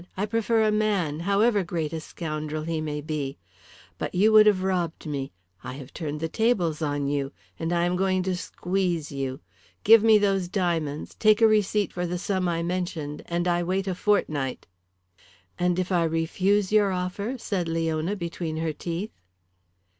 "I prefer a man, however great a scoundrel he may be. But you would have robbed me; I have turned the tables on you. And I am going to squeeze you. Give me those diamonds, take a receipt for the sum I mentioned, and I wait a fortnight." "And if I refuse your offer?" said Leona between her teeth.